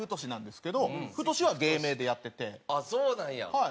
はい。